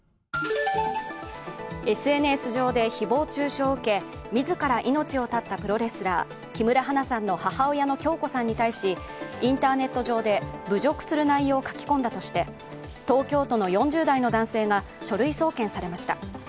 ＳＮＳ上で誹謗中傷を受け、自ら命を絶ったプロレスラー・木村花さんの母親・響子さんに対しインターネット上で侮辱する内容を書き込んだとして東京都の４０代の男性が書類送検されました。